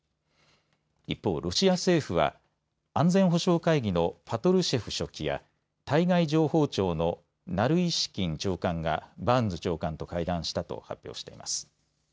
一方、ロシア政府は安全保障会議のパトルシェフ書記や対外情報庁のナルイシキン長官がバーンズ長官と会談したと発表しています。